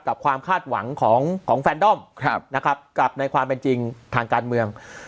ความคาดหวังของแฟนด้อมนะครับกับในความเป็นจริงทางการเมือง